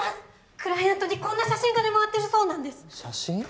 クライアントにこんな写真が出回ってるそうなんです写真？